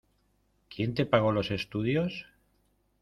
¿Quién te pagó los estudios?